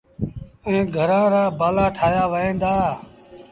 ائيٚݩ گھرآݩ لآ بآلآ ٺآهيآ وهيݩ دآ۔